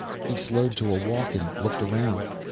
He slowed to a walk, and looked around.